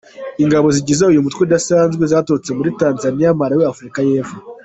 Ingabo zigize uyu mutwe udasanzwe zaturutse muri Tanzaniya, Malawi n’Afrika y’epfo.